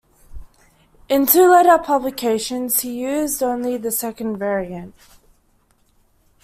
In two later publications he used only the second variant.